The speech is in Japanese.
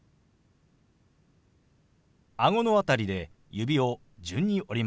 顎の辺りで指を順に折り曲げます。